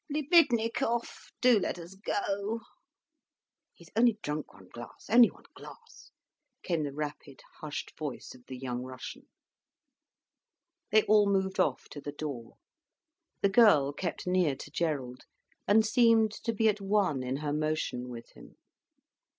Libidnikov, do let us go." "He's only drunk one glass—only one glass," came the rapid, hushed voice of the young Russian. They all moved off to the door. The girl kept near to Gerald, and seemed to be at one in her motion with him.